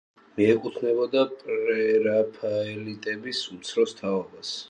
მიეკუთვნებოდა პრერაფაელიტების უმცროს თაობას.